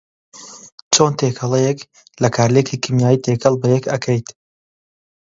چۆن تێکەڵیەک لە کارلێکی کیمیایی تێکەڵ بەیەک ئەکەیت